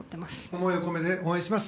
思いを込めて応援します。